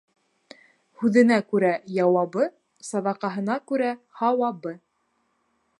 Һүҙенә күрә яуабы, саҙаҡаһына күрә һауабы.